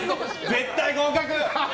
絶対、合格！